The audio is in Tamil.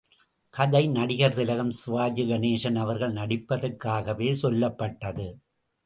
கதை, நடிகர் திலகம் சிவாஜிகணேசன் அவர்கள் நடிப்பதற்காகவே சொல்லப்பட்டது.